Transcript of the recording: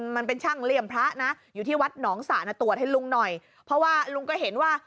มันเป็นช่างเลี่ยมพระนะอยู่ที่วัดหนองสระนะตรวจให้ลุงหน่อยเพราะว่าลุงก็เห็นว่า